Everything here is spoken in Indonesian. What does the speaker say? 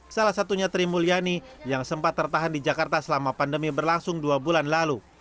salah satunya tri mulyani yang sempat tertahan di jakarta selama pandemi berlangsung dua bulan lalu